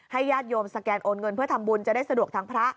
ญาติโยมสแกนโอนเงินเพื่อทำบุญจะได้สะดวกทางพระ